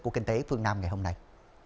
của kinh tế phương nam ngày hôm nay